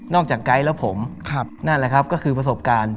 จากไกด์แล้วผมนั่นแหละครับก็คือประสบการณ์